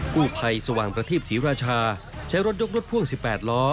ผู้ภัยสว่างประทีปศรีราชาใช้รถยกรถพ่วง๑๘ล้อ